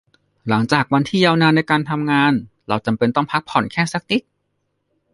หลังจากวันที่ยาวนานในการทำงาน เราจำเป็นต้องพักผ่อนแค่สักนิด